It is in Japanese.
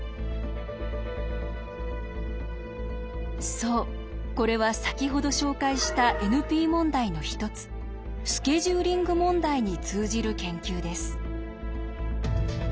そうこれは先ほど紹介したＮＰ問題の一つスケジューリング問題に通じる研究です。